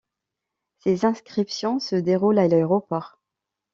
Ces inscriptions se déroulent à l'aéroport.